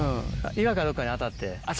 岩かどっかに当たって。